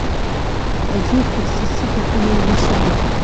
قضیې تخصصي کتنه نه شوې.